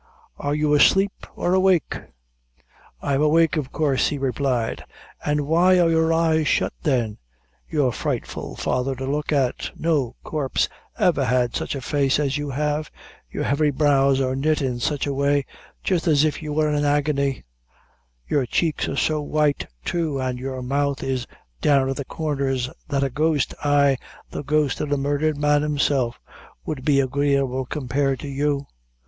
Are you asleep or awake?" "I'm awake, of coorse," he replied. "An' why are your eyes shut then? You're frightful, father, to look at; no corpse ever had sich a face as you have; your heavy brows are knit in sich a way; jist as if you were in agony; your cheeks are so white too, an' your mouth is down at the corners, that a ghost ay, the ghost of the murdhered man himself would be agreeable compared to you.